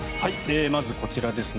まずこちらですね。